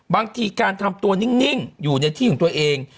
บางทีการทำตัวนิ่งอยู่ในที่ของตัวเอง